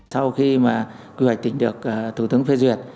sau khi mà quy hoạch tỉnh được thủ tướng phê duyệt